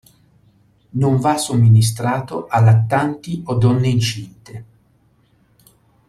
Non va somministrato a lattanti o donne incinte.